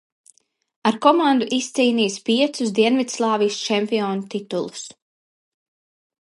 Ar komandu izcīnījis piecus Dienvidslāvijas čempionu titulus.